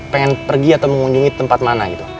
pengen pergi atau mengunjungi tempat mana gitu